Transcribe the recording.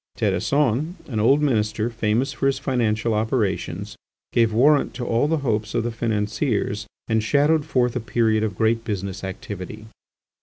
Terrasson, an old minister famous for his financial operations, gave warrant to all the hopes of the financiers and shadowed forth a period of great business activity.